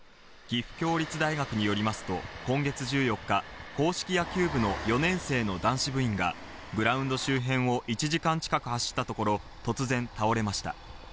岐阜協立大学によりますと、今月１４日、硬式野球部の４年生の男子部員が、グラウンド周辺を１時間近く走ったところ、突然、倒れました。